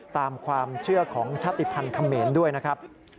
ตามความเชื่อของชาติภัณฑ์เขมรด้วยนะครับ